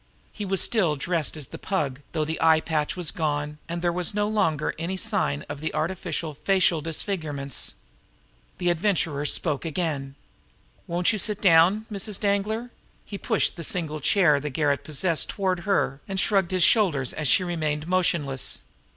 He was still dressed as the Pug, though the eye patch was gone, and there was no longer any sign of the artificial facial disfigurements. The Adventurer spoke again. "Won't you sit down Mrs. Danglar?" He pushed the single chair the garret possessed toward her and shrugged his shoulders as she remained motionless.